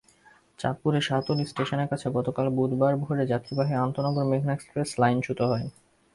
চাঁদপুরে শাহতলী স্টেশনের কাছে গতকাল বুধবার ভোরে যাত্রীবাহী আন্তনগর মেঘনা এক্সপ্রেস লাইনচ্যুত হয়।